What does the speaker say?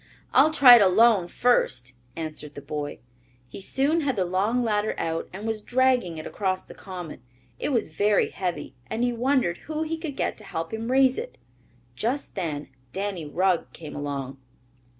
"I'll try it alone first," answered the boy. He soon had the long ladder out and was dragging it across the common. It was very heavy and he wondered who he could get to help him raise it. Just then Danny Rugg came along.